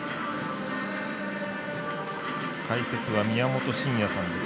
解説は、宮本慎也さんです。